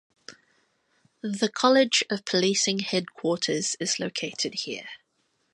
The College of Policing headquarters is located here.